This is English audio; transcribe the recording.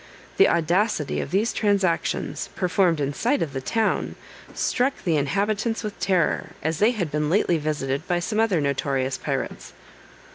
The audacity of these transactions, performed in sight of the town, struck the inhabitants with terror, as they had been lately visited by some other notorious pirates.